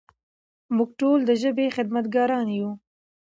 موږ ټول د ژبې خدمتګاران یو.